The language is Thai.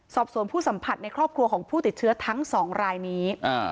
สอบสวนผู้สัมผัสในครอบครัวของผู้ติดเชื้อทั้งสองรายนี้